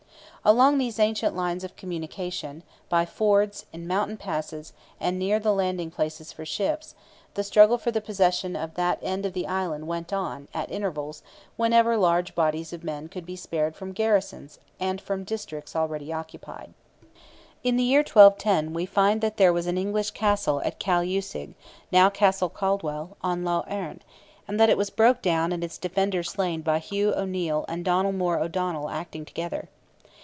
Along these ancient lines of communication, by fords, in mountain passes, and near the landing places for ships, the struggle for the possession of that end of the Island went on, at intervals, whenever large bodies of men could be spared from garrisons and from districts already occupied. In the year 1210, we find that there was an English Castle at Cael uisge, now Castle Caldwell, on Lough Erne, and that it was broke down and its defenders slain by Hugh O'Neil and Donald More O'Donnell acting together.